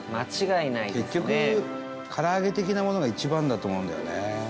伊達：結局、から揚げ的なものが一番だと思うんだよね。